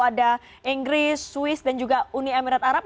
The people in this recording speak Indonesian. ada inggris swiss dan juga uni emirat arab